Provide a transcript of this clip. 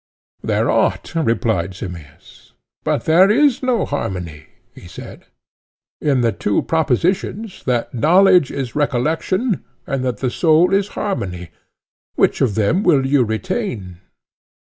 There ought, replied Simmias. But there is no harmony, he said, in the two propositions that knowledge is recollection, and that the soul is a harmony. Which of them will you retain?